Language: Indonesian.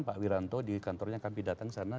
pak wiranto di kantornya kami datang ke sana